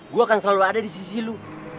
gue akan selalu ada di sisi lu